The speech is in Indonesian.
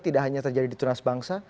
tidak hanya terjadi di tunas bangsa